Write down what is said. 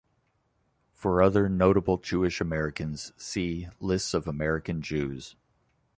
For other notable Jewish Americans, "see" Lists of American Jews.